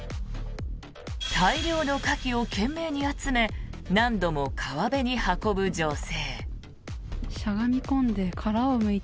大量のカキを懸命に集め何度も川辺に運ぶ女性。